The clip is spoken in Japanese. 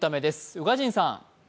宇賀神さん。